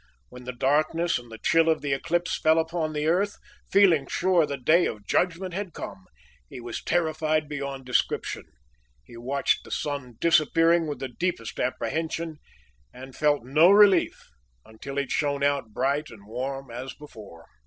When the darkness and the chill of the eclipse fell upon the earth, feeling sure the day of judgment had come, he was terrified beyond description. He watched the sun disappearing with the deepest apprehension, and felt no relief until it shone out bright and warm as before.